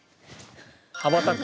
はばたく。